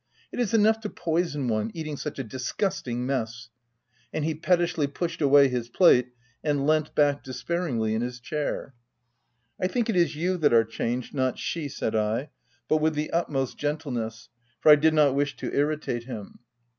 It is enough to poison one — eating such a disgusting mess I* And he pettishly pushed away his plate, and leant back despairingly in his chair. u I think it is you that are changed, not she," said I, but with the utmost gentleness, for I did not wish to irritate him.